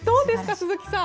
鈴木さん。